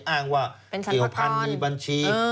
อ้างว่าเกี่ยวพันธุ์มีบัญชี